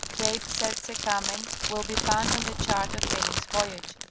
Cape Serdze Kamen will be found on the chart of Billings' Voyage.